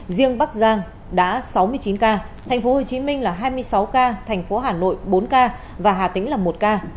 riêng bắc giang đã sáu mươi chín ca thành phố hồ chí minh là hai mươi sáu ca thành phố hà nội bốn ca và hà tĩnh là một ca